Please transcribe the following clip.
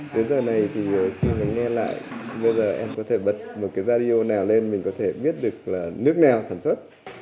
đến giờ này thì khi nghe lại bây giờ em có thể bật một cái video nào lên mình có thể biết được là nước nào sản xuất